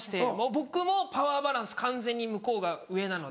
僕もパワーバランス完全に向こうが上なので。